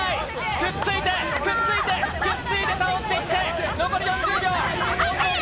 くっついて、くっついて、くっついて倒していって。